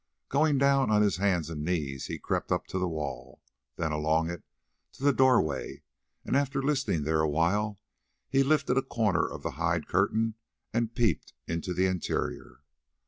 Going down on his hands and knees he crept up to the wall, then along it to the doorway, and after listening there awhile he lifted a corner of the hide curtain and peeped into the interior.